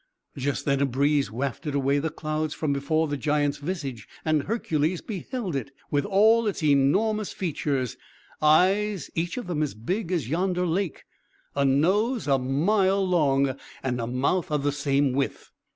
Just then a breeze wafted away the clouds from before the giant's visage, and Hercules beheld it, with all its enormous features; eyes each of them as big as yonder lake, a nose a mile long, and a mouth of the same width.